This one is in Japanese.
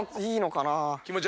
いいのかな。